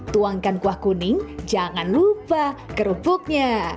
tuangkan kuah kuning jangan lupa kerupuknya